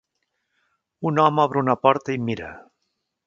Un home obre una porta i mira.